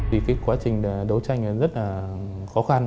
vì quá trình đấu tranh rất là khó khăn